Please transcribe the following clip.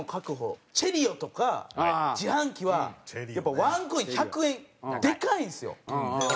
チェリオとか自販機はやっぱワンコイン１００円でかいんですよ。